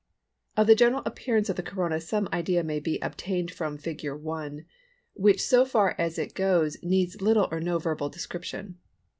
Of the general appearance of the Corona some idea may be obtained from Fig. 1 (see Frontispiece) which so far as it goes needs little or no verbal description.